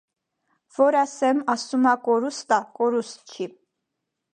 - Որ ասեմ, ասում ա, կորուստ ա՝ կորուստ չի.